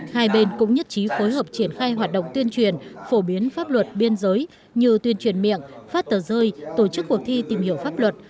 hai bên cũng nhất trí phối hợp triển khai hoạt động tuyên truyền phổ biến pháp luật biên giới như tuyên truyền miệng phát tờ rơi tổ chức cuộc thi tìm hiểu pháp luật